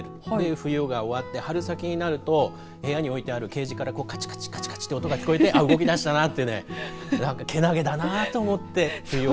冬が終わって春先になると部屋に置いてあるケージからカチカチという音が聞こえて動き出したなとかけなげだなと思って。